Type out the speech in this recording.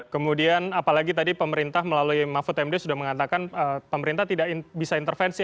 kemudian apalagi tadi pemerintah melalui mahfud md sudah mengatakan pemerintah tidak bisa intervensi